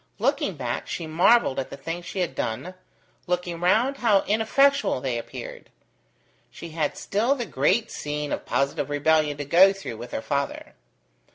Looking back, she marvelled at the things she had done. Looking round, how ineffectual they appeared! She had still the great scene of positive rebellion to go through with her father.